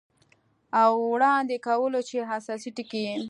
او وړاندې کولو چې اساسي ټکي یې